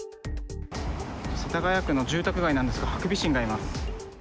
世田谷区の住宅街なんですが、ハクビシンがいます。